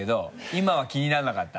今は気にならなかった？